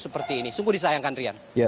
seperti ini sungguh disayangkan rian